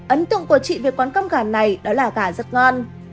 ấn tượng của chị về quán cơm gà này đó là gà rất ngon